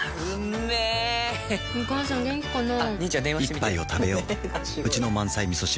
一杯をたべよううちの満菜みそ汁